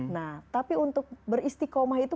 nah tapi untuk beristikomah itu